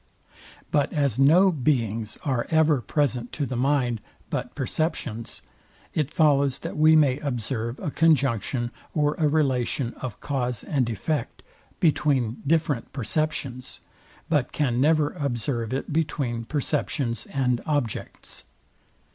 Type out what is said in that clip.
But as no beings are ever present to the mind but perceptions; it follows that we may observe a conjunction or a relation of cause and effect between different perceptions, but can never observe it between perceptions and objects.